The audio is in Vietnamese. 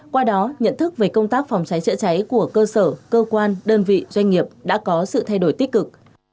qua đó nhận thức về công tác phòng cháy chữa cháy của cơ sở cơ quan đơn vị doanh nghiệp đã có sự thay đổi tích cực